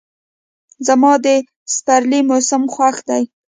زما د سپرلي موسم خوښ دی.